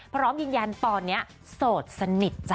พร้อมยืนยันตอนนี้โสดสนิทจ้ะ